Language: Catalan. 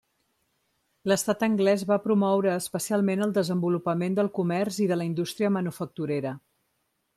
L'Estat anglès va promoure especialment el desenvolupament del comerç i de la indústria manufacturera.